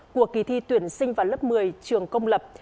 của kỳ thi tuyển sinh vào lớp một mươi trường công lập